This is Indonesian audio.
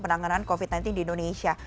penanganan covid sembilan belas di indonesia